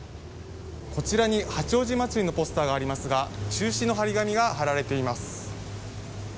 こちらに八王子まつりのポスターがありますが、中止の貼り紙が貼られています。